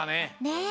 ねえ。